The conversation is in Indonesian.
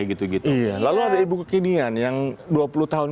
gitu gitu lalu ada ibu kekinian yang dua puluh tahun